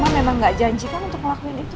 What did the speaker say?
memang nggak janji kan untuk ngelakuin itu